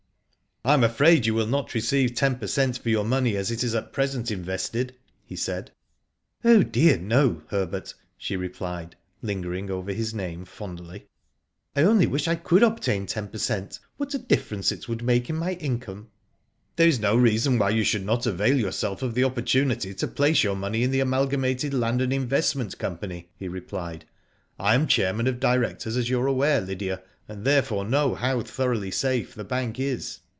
"I am afraid you will not receive ten per cent, for your money as it is at present invested/' he said. " Oh dear, no, Herbert," she replied, lingering over his name, fondly. " I only wish I could obtain ten per cent. What a difference it would make in my income !" "There is no reason why you should not avail Digitized byGoogk MRS. BRYCE ACCEPTS, 143 yourself of the opportunity to place your money in the Amalgamated Land and Investment Com pany,'* he replied. I am chairman of directors, as you are aware, Lydia, and therefore know how thoroughly safe the bank is.